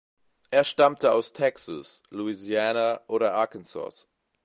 Er stammte aus Texas, Louisiana oder Arkansas.